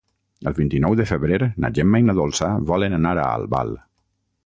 El vint-i-nou de febrer na Gemma i na Dolça volen anar a Albal.